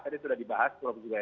tadi sudah dibahas